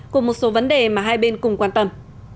cùng một số vấn đề mà hai bên cùng quan tâm